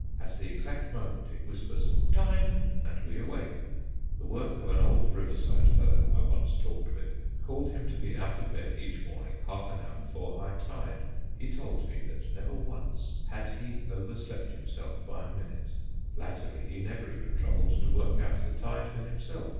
At the exact moment it whispers "Time!" and we awake. The work of an old riverside fellow I once talked with called him to be out of bed each morning half an hour before high tide. He told me that never once had he overslept himself by a minute. Latterly, he never even troubled to work out the tide for himself.